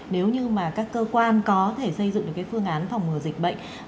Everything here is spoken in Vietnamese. nếu như mà các cơ quan có thể xây dựng được cái phương án phòng ngừa dịch bệnh